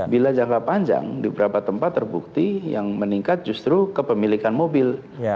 bila jangka panjang di beberapa tempat terbukti yang meningkat justru kepemilikan mobil